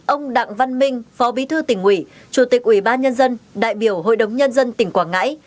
ông đặng văn minh phó bí thư tỉnh ủy chủ tịch ủy ban nhân dân đại biểu hội đồng nhân dân tỉnh quảng ngãi